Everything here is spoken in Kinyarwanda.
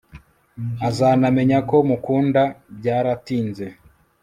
azanamenya ko mukunda byaratinze